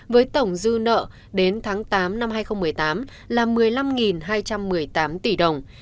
với tổng dư nợ đến tháng tám năm hai nghìn một mươi tám là một mươi năm hai trăm một mươi tám tỷ đồng